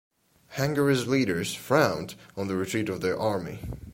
Hungary's leaders frowned on the retreat of their army.